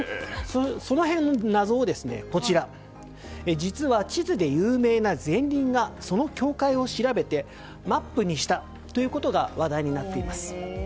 その辺の謎なんですが実は、地図で有名なゼンリンがその境界を調べてマップにしたということが話題になっています。